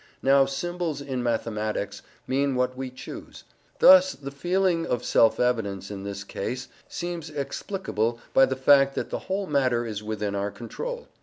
Now symbols, in mathematics, mean what we choose; thus the feeling of self evidence, in this case, seems explicable by the fact that the whole matter is within our control.